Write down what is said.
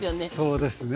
そうですね。